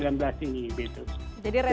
jadi resikonya besar sekali ya